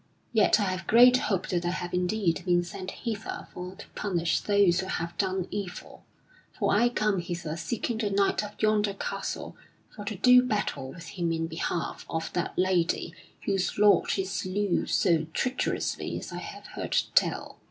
Yet I have great hope that I have indeed been sent hither for to punish those who have done evil, for I come hither seeking the knight of yonder castle for to do battle with him in behalf of that lady whose lord he slew so treacherously as I have heard tell.